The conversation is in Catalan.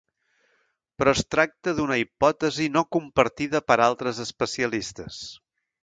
Però es tracta d’una hipòtesi no compartida per altres especialistes.